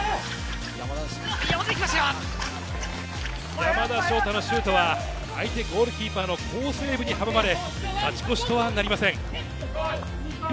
山田翔太のシュートは、相手ゴールキーパーの好セーブに阻まれ、勝ち越しとはなりません。